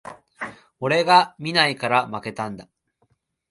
俺が見ないから負けたんだ